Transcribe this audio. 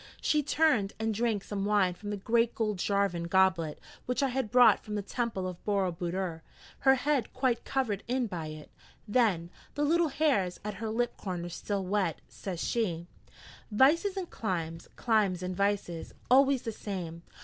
She turned and drank some wine from the great gold Jarvan goblet which I had brought from the temple of Boro Budor, her head quite covered in by it. Then, the little hairs at her lip corners still wet, says she: 'Vices and climes, climes and vices. Always the same.